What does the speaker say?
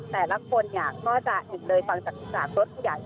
แต่ละคนเนี่ยง่อจากอีกเลยฟังจากศึกษารถผู้ใหญ่